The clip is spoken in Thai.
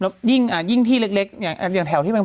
แล้วยิ่งที่เล็กอย่างแถวที่มัน